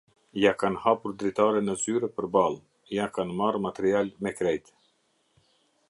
Ja kane hapur dritaren ne zyre përballe, ja kanë marrë material me krejt.